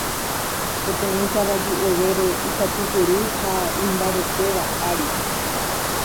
Peteĩ kavaju ovéro ikatupyry ha imbaretéva ári.